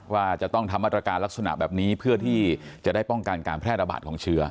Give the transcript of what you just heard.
ว่าจะต้องทำมาตรการลักษณะแบบนี้เพื่อที่จะได้ป้องกันการแพร่ระบาดของเชื้อ